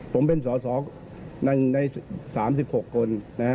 ผมเป็นสอหนึ่งใน๓๖คน